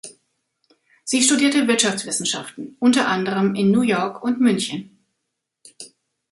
Sie studierte Wirtschaftswissenschaften unter anderem in New York und München.